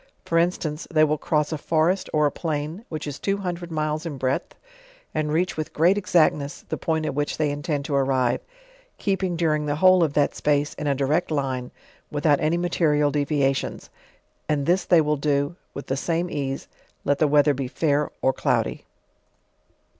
For instance, they will cross a forest, or a plain, which is two hundred miles in breadth, ar.d reach with great exactness the point at which they intend to arrive, keeping during the whole of thai space in a direct line, with out any material deviations; and this they will do with the same ease, let the weather be fair or cloudy.